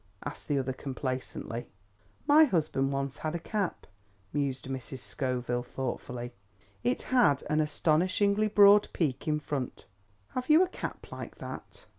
asked the other complacently. "My husband once had a cap," mused Mrs. Scoville thoughtfully. "It had an astonishingly broad peak in front. Have you a cap like that?"